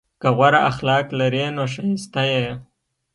که غوره اخلاق لرې نو ښایسته یې!